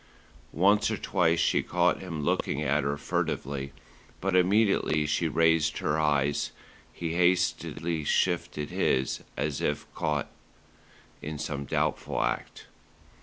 Once or twice she caught him looking at her furtively; but immediately she raised her eyes, he hastily shifted his, as if caught in some doubtful act.